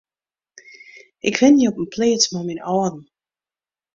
Ik wenje op in pleats mei myn âlden.